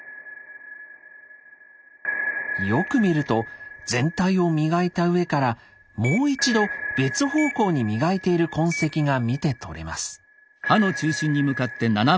よく見ると全体を磨いた上からもう一度別方向に磨いている痕跡が見て取れます。